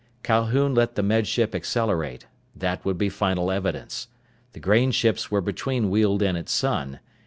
Calhoun let the Med Ship accelerate. That would be final evidence. The grain ships were between Weald and its sun.